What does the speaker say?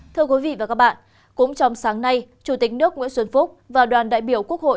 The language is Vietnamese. thưa quý vị và các bạn cũng trong sáng nay chủ tịch nước nguyễn xuân phúc và đoàn đại biểu quốc hội